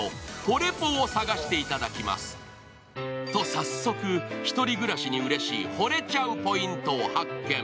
早速、１人暮らしにうれしいほれちゃうポイントを発見。